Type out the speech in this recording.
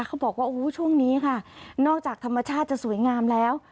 เขาบอกว่าโอ้โหช่วงนี้ค่ะนอกจากธรรมชาติจะสวยงามแล้ว